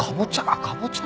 かぼちゃ！